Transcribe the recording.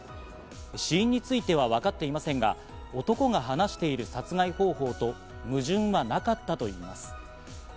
死因については分かっていませんが、男が話している殺害方法と矛盾はなかったということです。